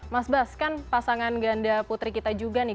mas bas kan pasangan ganda putri kita juga nih